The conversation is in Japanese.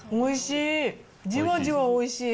おいしい。